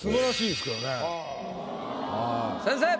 先生！